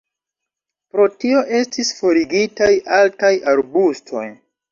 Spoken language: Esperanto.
Pro tio estis forigitaj altaj arbustoj.